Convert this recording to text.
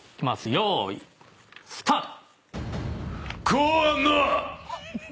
よーいスタート！